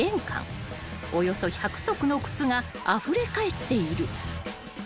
［およそ１００足の靴があふれ返っている］